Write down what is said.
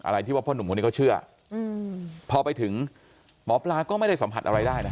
อะไรที่ว่าพ่อหนุ่มคนนี้เขาเชื่อพอไปถึงหมอปลาก็ไม่ได้สัมผัสอะไรได้นะ